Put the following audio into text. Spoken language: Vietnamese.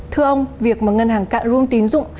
thưa ông việc mà ngân hàng cạn room tín dụng